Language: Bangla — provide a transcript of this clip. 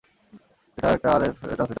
এটা একটা আরএফ ট্রান্সমিটার বাগ।